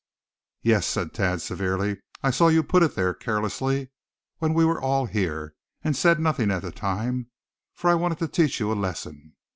"Yes," said Thad, severely, "I saw you put it there, carelessly, when we were all here, and said nothing at the time; for I wanted to teach you a lesson.